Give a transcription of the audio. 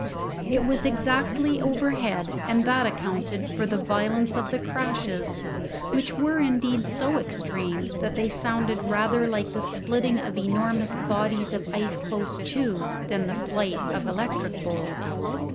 It was exactly overhead, and that accounted for the violence of the crashes, which were indeed so extreme that they sounded rather like the splitting of enormous bodies of ice close to, than the flight of electric bolts.